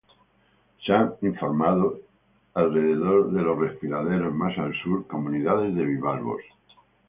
Se han reportado, alrededor de los respiraderos más al sur, comunidades de bivalvos.